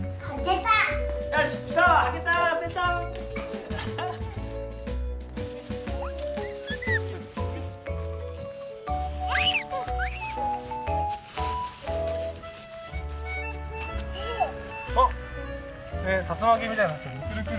たつまきみたいになってる。